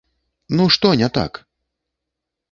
Ну, што не так?